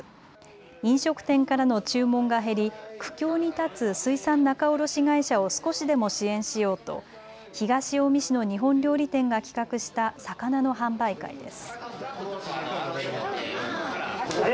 飲食店からの注文が減り苦境に立つ水産仲卸会社を少しでも支援しようと東近江市の日本料理店が企画した魚の販売会です。